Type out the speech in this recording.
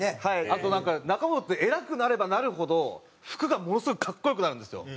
あとなんか中本って偉くなればなるほど服がものすごい格好良くなるんですよ。